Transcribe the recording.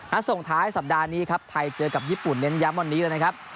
ส่งท้ายสัปดาห์นี้ครับไทยเจอกับญี่ปุ่นเน้นย้ำวันนี้เลยนะครับ